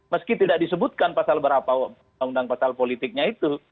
meski tidak disebutkan pasal berapa undang undang pasal politiknya itu